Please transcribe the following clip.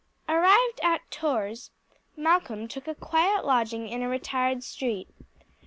Arrived at Tours, Malcolm took a quiet lodging in a retired street.